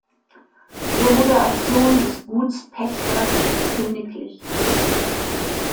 Er wurde als Sohn des Gutspächters, Königl.